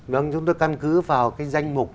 vâng chúng tôi căn cứ vào cái danh mục